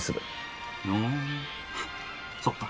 ふんそっか。